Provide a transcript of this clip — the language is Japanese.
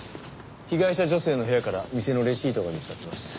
被害者女性の部屋から店のレシートが見つかってます。